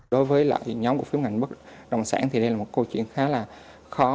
đối với lại nhóm cổ phiếu ngành bất đồng sản thì đây là một câu chuyện khá là khó